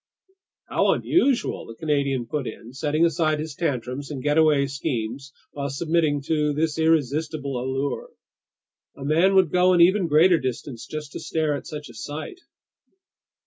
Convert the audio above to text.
"How unusual!" the Canadian put in, setting aside his tantrums and getaway schemes while submitting to this irresistible allure. "A man would go an even greater distance just to stare at such a sight!"